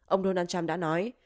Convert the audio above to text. ông donald trump đã nói